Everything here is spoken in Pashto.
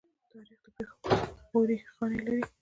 تاریخ د پښو غوړې خاڼې لري.